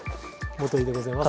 元井でございます。